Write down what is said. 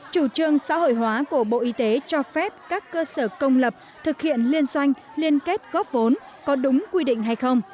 chủ trương xã hội hóa của bộ y tế cho phép các cơ sở công lập thực hiện liên doanh liên kết góp vốn có đúng quy định hay không